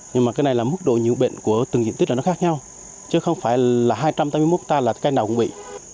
nhưng mà cái này là mức độ nhiễm bệnh của từng diện tích là nó khác nhau chứ không phải là hai trăm tám mươi một hectare là cây nào cũng bị